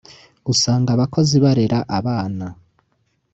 usanga abakozi barera abana